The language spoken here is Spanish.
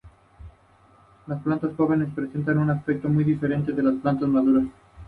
Las plantas jóvenes presentan un aspecto muy diferente del de las plantas maduras.